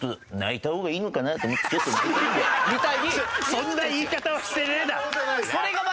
そんな言い方はしてねえだろ！